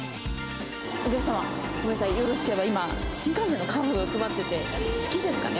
お客様、ごめんなさい、よろしければ、今、新幹線のカード配ってて、好きですかね？